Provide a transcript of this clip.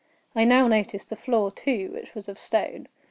I now noticed the floor, too, which was of stone.